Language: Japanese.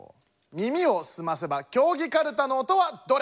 耳をすませば競技カルタの音はどれ？